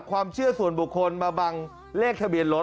ความเชื่อส่วนบุคคลมาบังเลขทะเบียนรถ